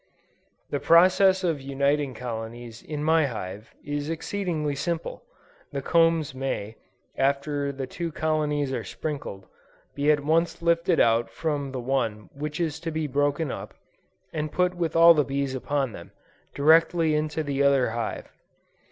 The process of uniting colonies in my hive, is exceedingly simple. The combs may, after the two colonies are sprinkled, be at once lifted out from the one which is to be broken up, and put with all the bees upon them, directly into the other hive.